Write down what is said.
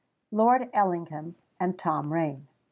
LORD ELLINGHAM AND TOM RAIN.